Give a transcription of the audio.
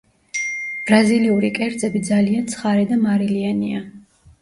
ბრაზილიური კერძები ძალიან ცხარე და მარილიანია.